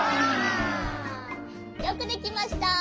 よくできました。